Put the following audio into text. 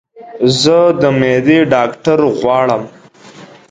زه د معدي ډاکټر غواړم